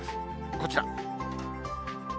こちら。